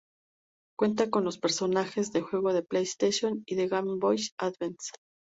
Cuenta con los personajes del juego de PlayStation y de Game Boy Advance.